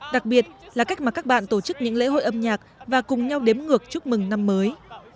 đặc biệt là cách mà các bạn tổ chức những lễ hội âm nhạc và cùng nhau đếm ngược chúc mừng năm mới